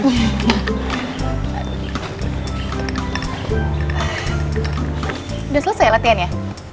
udah selesai latihan ya